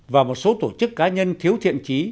và một số tổ chức cá nhân thiếu thiện trí